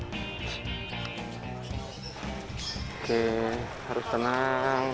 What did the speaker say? oke harus tenang